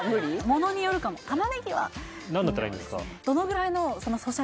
物によるかも玉ねぎは何だったらいいんですか？